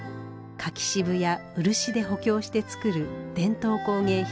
柿渋や漆で補強して作る伝統工芸品です。